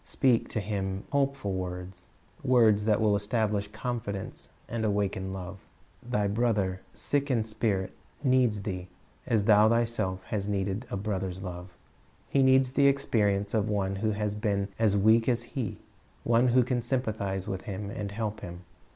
Speak to him hopeful words, words that will establish confidence and awaken love. ^i ^ir Thy brother, sick in spirit, needs thee, as thou thyself hast needed a brother's love. He needs the expenence of one who has been as weak as he, one who ean sympathize with him and help him.